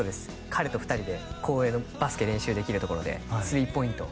彼と２人で公園のバスケ練習できるところでスリーポイント